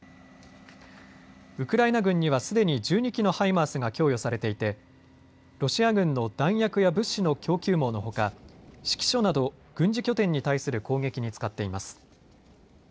ウクライナ軍にはすでに１２基のハイマースが供与されていてロシア軍の弾薬や物資の供給網のほか指揮所など軍事拠点に対する攻撃に使っています。